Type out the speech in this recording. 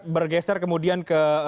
bergeser kemudian ke